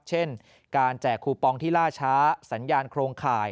เช่นการแจกคูปองที่ล่าช้าสัญญาณโครงข่าย